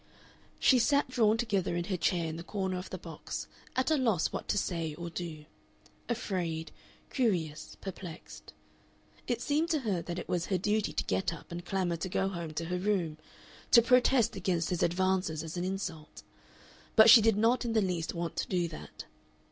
She sat drawn together in her chair in the corner of the box, at a loss what to say or do afraid, curious, perplexed. It seemed to her that it was her duty to get up and clamor to go home to her room, to protest against his advances as an insult. But she did not in the least want to do that.